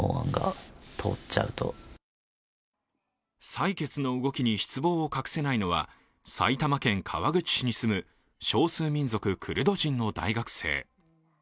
採決の動きに失望を隠せないのは埼玉県川口市に住む少数民族・クルド人の大学生。